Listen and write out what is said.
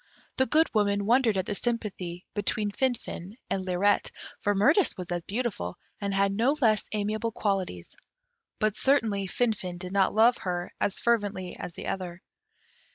The Good Woman wondered at the sympathy between Finfin and Lirette, for Mirtis was as beautiful, and had no less amiable qualities; but certainly Finfin did not love her as fervently as the other.